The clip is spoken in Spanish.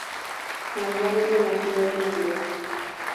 Las llaves de la ciudad de Las Vegas.